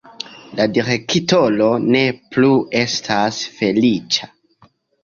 La direktoro ne plu estas feliĉa.